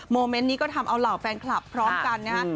เมนต์นี้ก็ทำเอาเหล่าแฟนคลับพร้อมกันนะฮะ